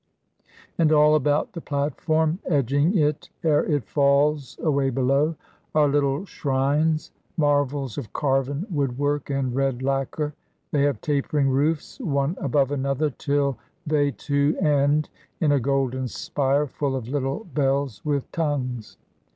And all about the platform, edging it ere it falls away below, are little shrines, marvels of carven woodwork and red lacquer. They have tapering roofs, one above another, till they, too, end in a golden spire full of little bells with tongues.